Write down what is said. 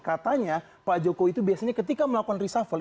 katanya pak jokowi itu biasanya ketika melakukan reshuffle